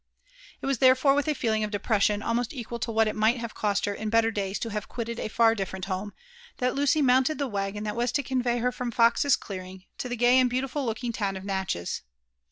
Jt was therefore with a fooliAg of tdopreasion aloM>st oqaal to wbal it might have cost her in belter days to have pitied a far differoal bomo« that Lucy mounted the waggon that was to convey her from Fox's clearing to the gay and beautifjttUlookittg town of Natchez.